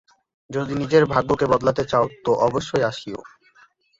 যদি নিজের ভাগ্য কে বদলাতে চাও, তো অবশ্যই আসিও।